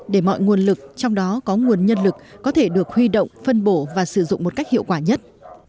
để mọi nguồn lực trong đó có nguồn nhân lực có thể được huy động phân bổ và sử dụng một cách hiệu quả nhất